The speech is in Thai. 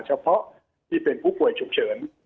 เฉพาะที่เป็นผู้ป่วยฉุกเฉิน